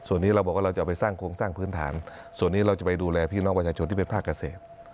วันนี้เราจะไปดูแลพี่น้องประชาชนที่เป็นภาคเกษตร